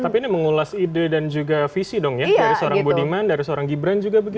tapi ini mengulas ide dan juga visi dong ya dari seorang budiman dari seorang gibran juga begitu